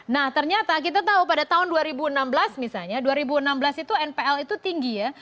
nah ternyata kita tahu pada tahun dua ribu enam belas misalnya dua ribu enam belas itu npl itu tinggi ya